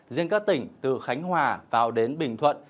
riêng các tỉnh từ khánh hòa vào đến bình thuận